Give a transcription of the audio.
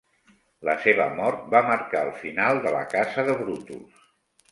La seva mort va marcar el final de la casa de Brutus.